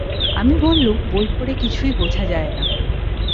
আমি বললুম, বই পড়ে কিছুই বোঝা যায় না।